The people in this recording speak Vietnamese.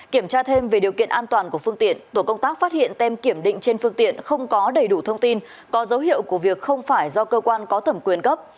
kiểm tra thêm về điều kiện an toàn của phương tiện tổ công tác phát hiện tem kiểm định trên phương tiện không có đầy đủ thông tin có dấu hiệu của việc không phải do cơ quan có thẩm quyền cấp